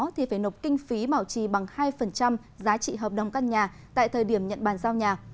thì phải nộp kinh phí bảo trì bằng hai giá trị hợp đồng căn nhà tại thời điểm nhận bàn giao nhà